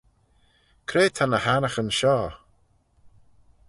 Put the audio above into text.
Cre ta ny h-annaghyn shoh?